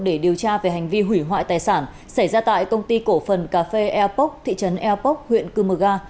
để điều tra về hành vi hủy hoại tài sản xảy ra tại công ty cổ phần cà phê eapok thị trấn eapok huyện cư mờ ga